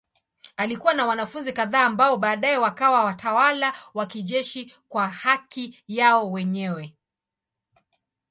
Alikuwa na wanafunzi kadhaa ambao baadaye wakawa watawala wa kijeshi kwa haki yao wenyewe.